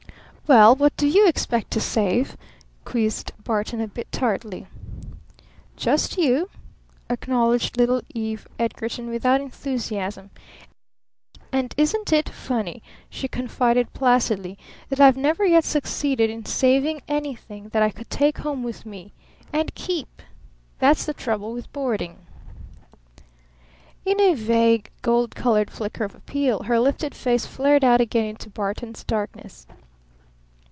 "Well, what do you expect to save?" quizzed Barton a bit tartly. "Just you," acknowledged little Eve Edgarton without enthusiasm. "And isn't it funny," she confided placidly, "that I've never yet succeeded in saving anything that I could take home with me and keep! That's the trouble with boarding!" In a vague, gold colored flicker of appeal her lifted face flared out again into Barton's darkness.